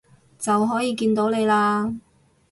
就可以見到你喇